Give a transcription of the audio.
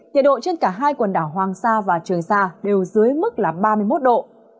nhiệt độ trên cả hai quần đảo hoàng sa và trường sa đều dưới mức là ba mươi một độ